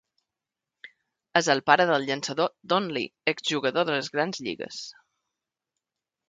És el pare del llançador Don Lee, exjugador de les grans lligues.